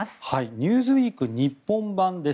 「ニューズウィーク日本版」です。